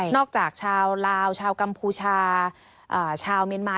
จากชาวลาวชาวกัมพูชาชาวเมียนมา